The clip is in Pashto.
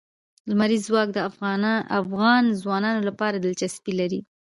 لمریز ځواک د افغان ځوانانو لپاره دلچسپي لري.